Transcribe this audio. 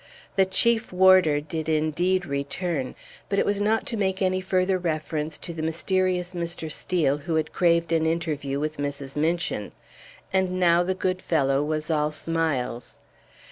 The Chief Warder did indeed return, but it was not to make any further reference to the mysterious Mr. Steel who had craved an interview with Mrs. Minchin. And now the good fellow was all smiles.